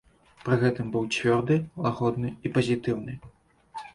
Пры гэтым быў цвёрды, лагодны і пазітыўны.